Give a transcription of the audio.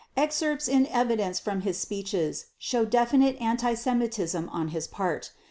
Excerpts in evidence from his speeches show definite anti Semitism on his part.